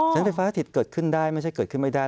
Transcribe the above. ไฟฟ้าถิตเกิดขึ้นได้ไม่ใช่เกิดขึ้นไม่ได้